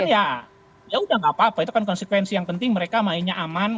dan ya ya udah gak apa apa itu kan konsekuensi yang penting mereka mainnya aman